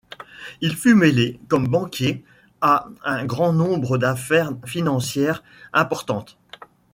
Il fut mêlé, comme banquier, à un grand nombre d'affaires financières importantes.